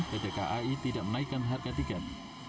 pt kai tidak menaikkan harga tiket